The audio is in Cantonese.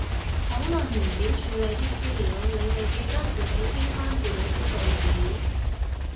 討論完點處理啲資料，你哋記得自己清返自己啲句子